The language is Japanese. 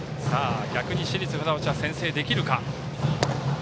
逆に市立船橋は先制できるか。